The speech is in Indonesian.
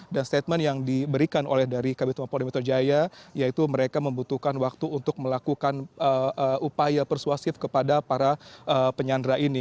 dan statement yang diberikan oleh dari kabinet polda mitra jaya yaitu mereka membutuhkan waktu untuk melakukan upaya persuasif kepada para penyandra ini